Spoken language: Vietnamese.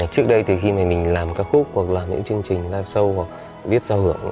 trước đây thì khi mình làm các khúc hoặc là những chương trình live show hoặc viết giao hưởng